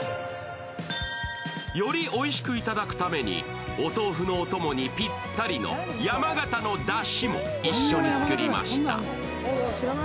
よりおいしく頂くために、お豆腐のお供にぴったりの山形のだしも一緒に作りました。